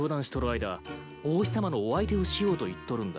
間お星さまのお相手をしようと言っとるんだ。